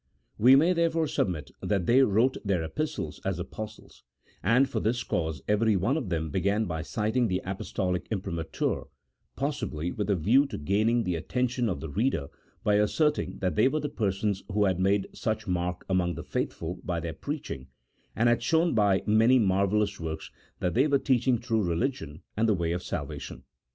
We may therefore admit that they wrote their Epistles as Apostles, and for this cause every one of them began by citing the Apostolic imprimatur, possibly with a view to gaining the attention of the reader by asserting that they were the persons who had made such mark among the faithful by their preaching, and had shown by many mar vellous works that they were teaching true religion and the way of salvation.